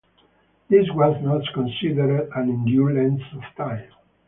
This was not considered an undue length of time.